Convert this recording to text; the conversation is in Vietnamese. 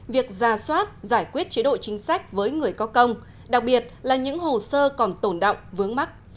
việc ra soát giải quyết chế độ chính sách với người có công đặc biệt là những hồ sơ còn tồn động vướng mắt